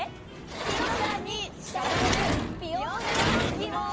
「ピオちゃんに叱られるピオーネのギモン」。